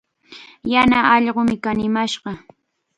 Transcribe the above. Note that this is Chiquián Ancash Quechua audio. Yana allqum kanimashqa.